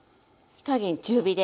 火加減中火で。